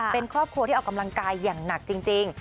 เป็นครอบครัวที่ออกกำลังกายอย่างหนักจริง